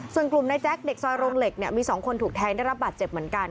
ส่วนกลุ่มนายแจ๊คเด็กซอยโรงเหล็กเนี่ยมี๒คนถูกแทงได้รับบาดเจ็บเหมือนกัน